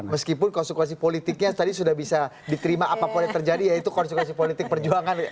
meskipun konsekuensi politiknya tadi sudah bisa diterima apapun yang terjadi yaitu konsekuensi politik perjuangan